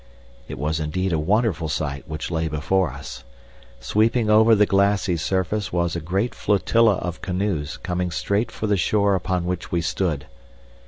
It was indeed a wonderful sight which lay before us. Sweeping over the glassy surface was a great flotilla of canoes coming straight for the shore upon which we stood.